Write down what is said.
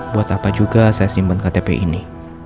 buat apa juga saya simpan ktp ini